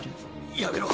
やめろ。